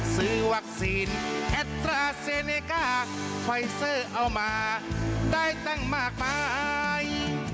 ซื้อวักซีนแอตราแซเนคาไฟซอร์เอามาได้เต็มมากไป